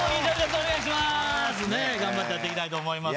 お願いします。